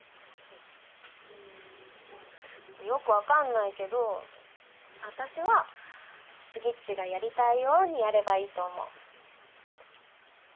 うんよく分かんないけど私はスギッチがやりたいようにやればいいと思う。